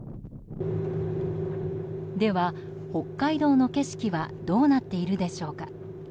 では、北海道の景色はどうなっているでしょうか。